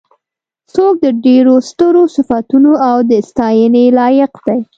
څوک د ډېرو سترو صفتونو او د ستاینې لایق دی.